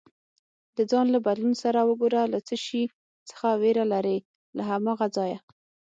د ځان له بدلون لپاره وګوره له څه شي څخه ویره لرې، له هماغه ځایه